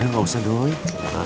gak usah dong